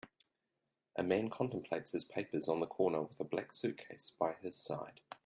A man contemplates his papers on the corner with a black suitcase by his side.